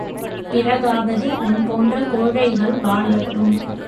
பிறகாவது உன் போன்ற கோழைகள் வாழட்டும்.